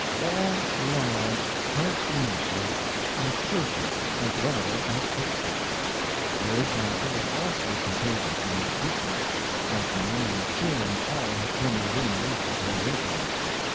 All large, healthy natures are cheerful as well as hopeful. Their example is also contagious and diffusive, brightening and cheering all who come within reach of their influence.